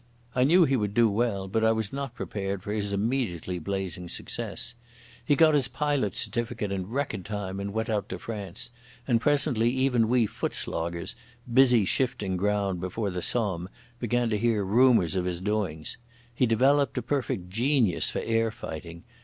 I knew he would do well, but I was not prepared for his immediately blazing success. He got his pilot's certificate in record time and went out to France; and presently even we foot sloggers, busy shifting ground before the Somme, began to hear rumours of his doings. He developed a perfect genius for air fighting.